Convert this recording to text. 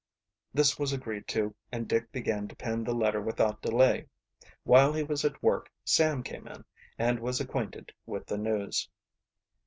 This was agreed to, and Dick began to pen the letter without delay. While he was at work Sam came in and was acquainted with the news.